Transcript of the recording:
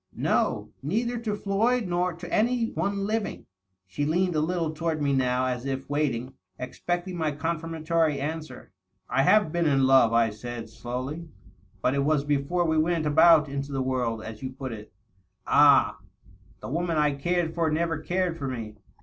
" No — neither to Floyd nor to any one living." She leaned a little toward me, now, as if waiting, expecting my confirmatory answer. " I have been in love," I said slowly, " but it was before we went about into the world, as you put it." "Ah!" " The woman I cared for never cared for me.